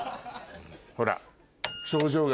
ほら。